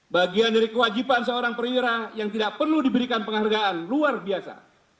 bagian dari kewajiban seorang perwira yang tidak perlu diberikan penghargaan luar biasa